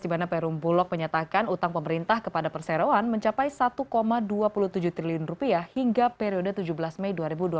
di mana perum bulog menyatakan utang pemerintah kepada perseroan mencapai rp satu dua puluh tujuh triliun rupiah hingga periode tujuh belas mei dua ribu dua puluh